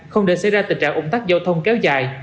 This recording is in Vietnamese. không để xảy ra tình trạng ủng tắc giao thông kéo dài